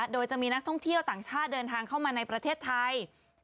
โดยจะมีนักท่องเที่ยวต่างชาติเดินทางเข้ามาในประเทศไทย